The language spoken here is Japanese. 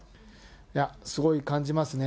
いや、すごい感じますね。